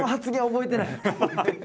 覚えてない。